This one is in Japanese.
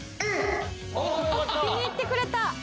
気に入ってくれた。